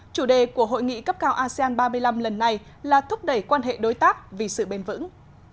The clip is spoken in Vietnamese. chủ đề của hội nghị cấp cao asean ba mươi năm lần này là thúc đẩy quan hệ đối tác vì sự bền vững